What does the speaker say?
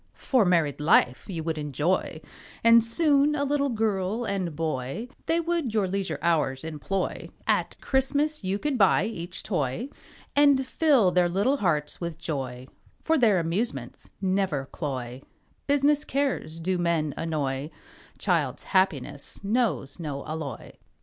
For married life you would enjoy, And soon a little girl and boy, They would your leisure hours employ, At Christmas you could buy each toy, And fill their little hearts with joy, For their amusements never cloy, Business cares do men annoy, Child's happiness knows no alloy.